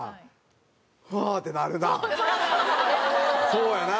そうやな。